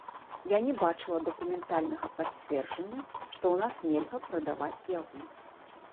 Я не бачыла дакументальнага пацверджання, што ў нас нельга прадаваць яго.